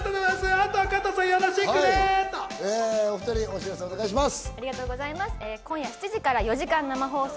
あとはお２人、お知らせお願いします。